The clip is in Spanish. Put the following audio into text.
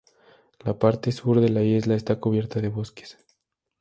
La parte sur de la isla está cubierta de bosques.